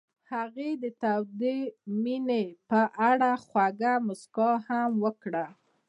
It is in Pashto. هغې د تاوده مینه په اړه خوږه موسکا هم وکړه.